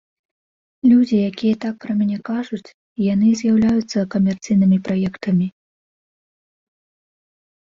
Людзі, якія так пра мяне кажуць, яны і з'яўляюцца камерцыйнымі праектамі.